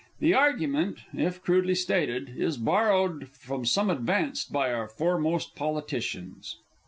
The argument if crudely stated is borrowed from some advanced by our foremost politicians.